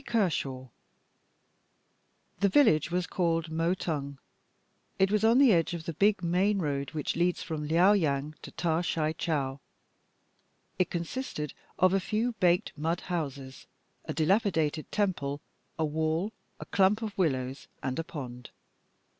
Kershaw The village was called Moe tung. It was on the edge of the big main road which leads from Liao yang to Ta shi chiao. It consisted of a few baked mud houses, a dilapidated temple, a wall, a clump of willows, and a pond.